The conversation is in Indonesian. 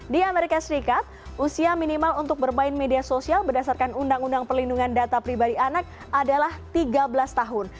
di amerika serikat usia minimal untuk bermain media sosial berdasarkan undang undang perlindungan data pribadi anak adalah tiga belas tahun